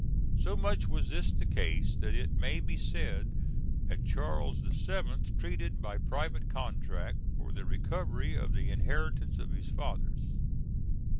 So much was this the case that it may be said that Charles VII. treated by private contract for the recovery of the inheritances of his fathers.